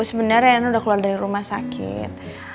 sebenernya rena udah keluar dari rumah sakit